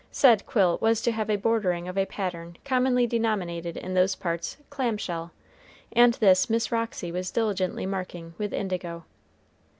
Said quilt was to have a bordering of a pattern commonly denominated in those parts clam shell, and this Miss Roxy was diligently marking with indigo.